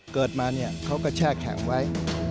เกิดมาเนี่ยเขาก็แช่แข็งไว้